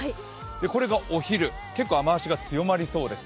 これがお昼、結構雨足が強まりそうです。